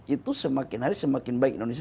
itu semakin hari semakin baik indonesia